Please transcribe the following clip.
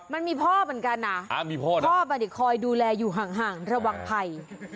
มันมีพ่อเหมือนกันนะพ่อไม่ได้คอยดูแลอยู่ห่างระวังภัย